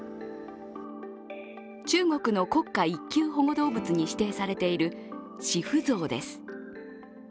中国の国家一級保護動物に指定されているシフゾウです。